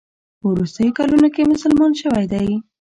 په وروستیو کلونو کې مسلمان شوی دی.